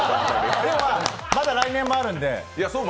でもまあ、来年もあるので。